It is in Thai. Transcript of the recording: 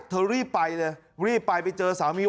เธอรีบไปเถอะรีบไปไปเจอสามี